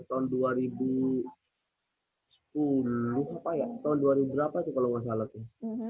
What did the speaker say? tahun dua ribu sepuluh pak ya tahun dua ribu berapa itu kalau nggak salah tuh